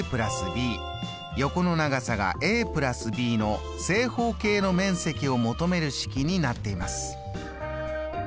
ｂ横の長さが＋ｂの正方形の面積を求める式になっています。